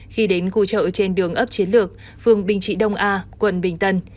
khi đến khu chợ trên đường ấp chiến lược phường bình trị đông a quận bình tân